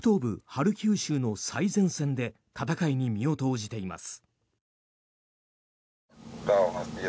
ハルキウ州の最前線で戦いに身を投じています。